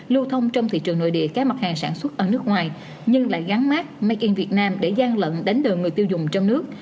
lưu thông trong thị trường nội địa các mặt hàng sản xuất ở nước ngoài nhưng lại gắn mát make in việt nam để gian lận đến đường người tiêu dùng trong nước